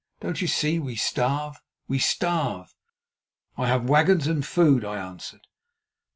Don't you see, we starve, we starve!" "I have wagons and food," I answered.